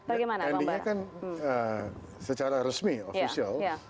bandingnya kan secara resmi official